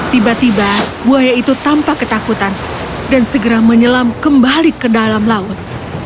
tiba tiba buaya itu tanpa ketakutan dan segera menyelam kembali ke dalam laut